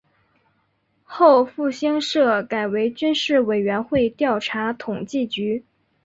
后复兴社改为军事委员会调查统计局。